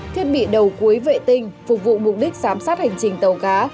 thiết bị đầu cuối vệ tinh phục vụ mục đích giám sát hành trình tàu cá